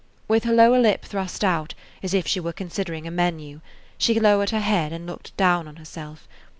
With her lower lip thrust out, as if she were considering a menu, she lowered her head and looked down on herself.